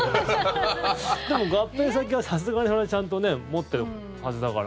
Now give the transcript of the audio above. でも、合併先はさすがにそれはちゃんと持ってるはずだから。